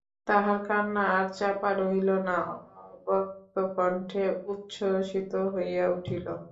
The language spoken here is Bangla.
তাহার কান্না আর চাপা রহিল না–অব্যক্তকণ্ঠে উচ্ছ্বসিত হইয়া উঠিল।